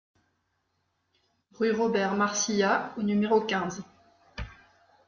Rue Robert Marcillat au numéro quinze